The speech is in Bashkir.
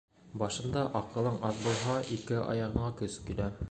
Башында аҡылың аҙ булһа, ике аяғыңа көс килә.